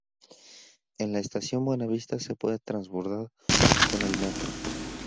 En la estación Buenavista se puede transbordar con el Metro.